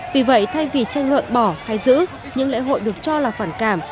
vì vậy thay vì tranh luận bỏ hay giữ những lễ hội được cho là phản cảm